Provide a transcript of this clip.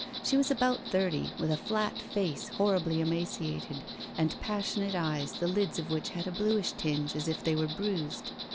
She was about thirty, with a flat face horribly emaciated, and passionate eyes, the lids of which had a bluish tinge as if they were bruised.